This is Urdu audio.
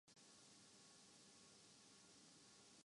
کالم کے لیے سوچ کا سفر کسی اور سمت میں جاری تھا۔